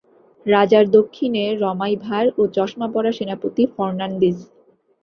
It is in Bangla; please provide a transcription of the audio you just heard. রাজার দক্ষিণে রমাই ভাঁড় ও চশমাপরা সেনাপতি ফর্নান্ডিজ।